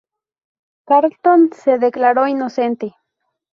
Carlton se declaró inocente.